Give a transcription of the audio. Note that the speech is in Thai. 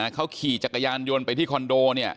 เขาขี่จักรยานยนต์ไปที่คอนโดเนี่ย